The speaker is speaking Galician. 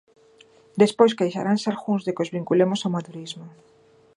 Despois queixaranse algúns de que os vinculemos ao madurismo.